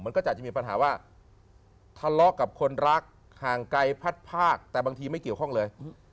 ก็จะอาจจะมีปัญหาว่าทะเลาะกับคนรักห่างไกลพัดภาคแต่บางทีไม่เกี่ยวข้องเลย